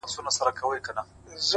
• چي اصلي فساد له تا خیژي پر مځکه ,